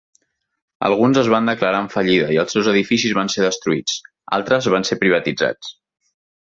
Alguns es van declarar en fallida i els seus edificis van ser destruïts; altres van ser privatitzats.